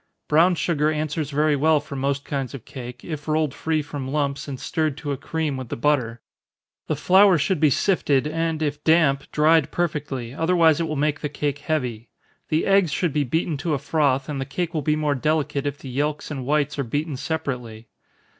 Brown sugar answers very well for most kinds of cake, if rolled free from lumps, and stirred to a cream with the butter. The flour should be sifted, and if damp, dried perfectly, otherwise it will make the cake heavy. The eggs should be beaten to a froth; and the cake will be more delicate if the yelks and whites are beaten separately.